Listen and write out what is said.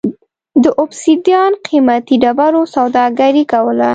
د اوبسیدیان قېمتي ډبرو سوداګري کوله.